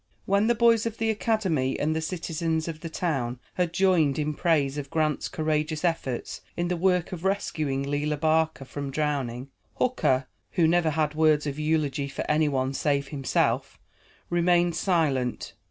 When the boys of the academy and the citizens of the town had joined in praise of Grant's courageous efforts in the work of rescuing Lela Barker from drowning, Hooker, who never had words of eulogy for anyone save himself, remained silent.